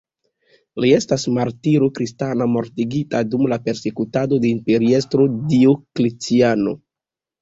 Li estas martiro kristana, mortigita dum la persekutado de imperiestro Diokleciano.